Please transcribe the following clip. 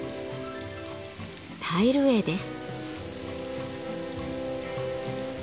タイル画です。